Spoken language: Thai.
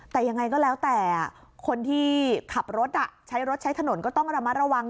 แต่ยังไงก็แล้วแต่คนที่ขับรถใช้รถใช้ถนนก็ต้องระมัดระวัง